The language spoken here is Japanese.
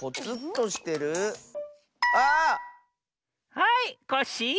はいコッシー！